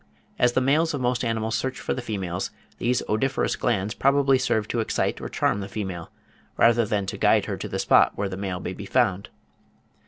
As the males of most animals search for the females, these odoriferous glands probably serve to excite or charm the female, rather than to guide her to the spot where the male may be found.